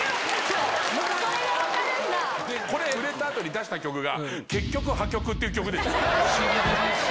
これ、売れたあとに出した曲が、結局破局っていう曲で。